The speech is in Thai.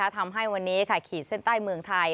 ทำให้วันนี้ขีดเส้นใต้เมืองไทย